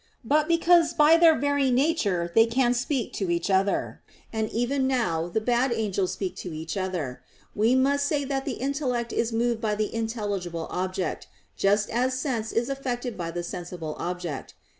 But because by their very nature they can speak to each other, and even now the bad angels speak to each other, we must say that the intellect is moved by the intelligible object just as sense is affected by the sensible object.